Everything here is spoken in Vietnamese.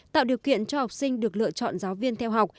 tạo điều kiện cho học sinh được lựa chọn giáo viên theo học